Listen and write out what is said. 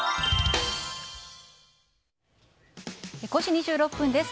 ５時２６分です。